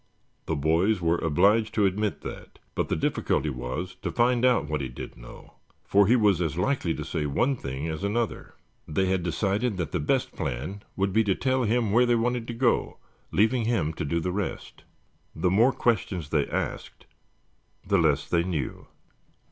The boys were obliged to admit that, but the difficulty was to find out what he did know, for he was as likely to say one thing as another. They had decided that the best plan would be to tell him where they wanted to go, leaving him to do the rest. The more questions they asked the less they knew.